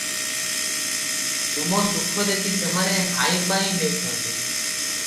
ତମ ସୁଖ ଦେଖି ସେମାନେ ହାଇଁପାଇଁ ହେଉଛନ୍ତି ।